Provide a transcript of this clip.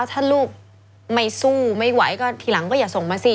ถ้าลูกไม่สู้ไม่ไหวก็ทีหลังก็อย่าส่งมาสิ